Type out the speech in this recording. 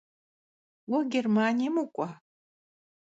Vue Gêrmaniêm vuk'ua?